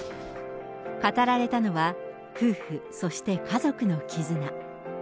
語られたのは、夫婦、そして家族の絆。